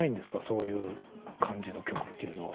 そういう感じの曲っていうのは。